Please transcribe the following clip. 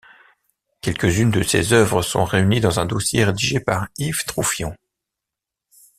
Quelques-unes de ses œuvres sont réunies dans un dossier rédigé par Yves Troufion.